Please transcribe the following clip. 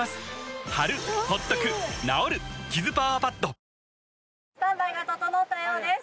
続くスタンバイが整ったようです